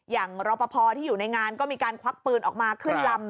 รอปภที่อยู่ในงานก็มีการควักปืนออกมาขึ้นลำ